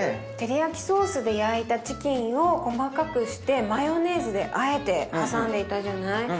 テリヤキソースで焼いたチキンを細かくしてマヨネーズであえて挟んでいたじゃない？